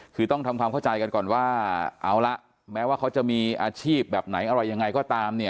คือต้องทำความเข้าใจกันก่อนว่าเอาละแม้ว่าเขาจะมีอาชีพแบบไหนอะไรยังไงก็ตามเนี่ย